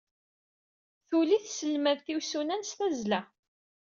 Tuli tselmadt isunan s tazzla.